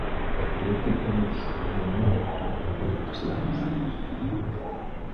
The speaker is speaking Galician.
E preocúpanos o momento no que estamos agora.